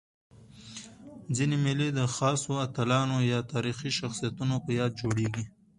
ځيني مېلې د خاصو اتلانو یا تاریخي شخصیتونو په یاد جوړيږي.